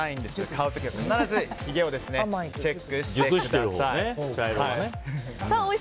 買う時は必ずひげをチェックしてください。